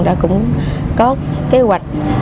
đã cũng có kế hoạch